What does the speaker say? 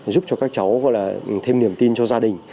giúp cho các cháu thêm niềm tin cho gia đình